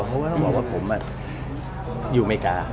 เพราะว่าต้องบอกว่าผมอยู่อเมริกา